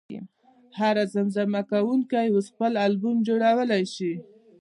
هر زمزمه کوونکی اوس خپل البوم جوړولی شي.